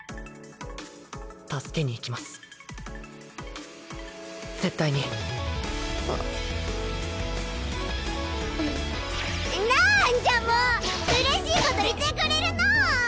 助けに行きます絶対に何じゃもう嬉しいこと言ってくれるのう！